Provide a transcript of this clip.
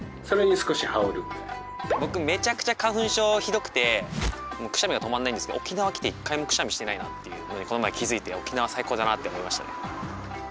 めちゃくちゃ花粉症ひどくてくしゃみが止まんないんですけど沖縄来て一回もくしゃみしてないなっていうのにこの前気付いて沖縄最高だなって思いましたね。